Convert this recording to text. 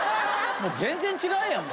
もう全然違うやん。